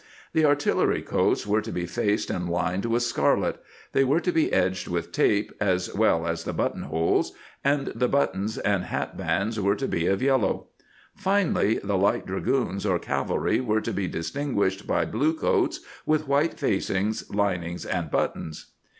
The artillery coats were to be faced and lined with scarlet ; they were to be edged with tape, as well as the buttonholes, and the buttons and hat bands were to be of yellow. Finally, the light dragoons or cavalry were to be distinguished by blue coats, with white facing, linings, and buttons.